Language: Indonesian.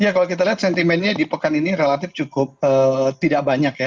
ya kalau kita lihat sentimennya di pekan ini relatif cukup tidak banyak ya